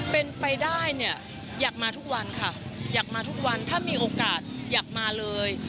เป็นไปได้เนี่ยอยากมาทุกวันค่ะอยากมาทุกวันถ้ามีโอกาสอยากมาเลย